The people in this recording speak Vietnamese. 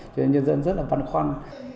cho nên nhân dân rất là văn khoăn